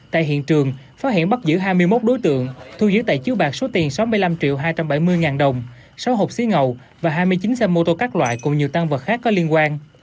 tại hiện trường phát hiện bắt giữ hai mươi một đối tượng thu giữ tại chiếu bạc số tiền sáu mươi năm triệu hai trăm bảy mươi ngàn đồng sáu hộp xí ngầu và hai mươi chín xe mô tô các loại cùng nhiều tăng vật khác có liên quan